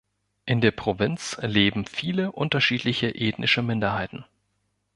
In der Provinz leben viele unterschiedliche ethnische Minderheiten.